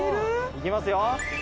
いきますよ。